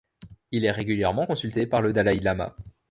Il est régulièrement consulté par le dalaï-lama.